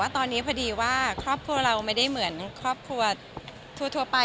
ตอนนี้พอดีว่าครอบครัวเราไม่ได้เหมือนครอบครัวทั่วไป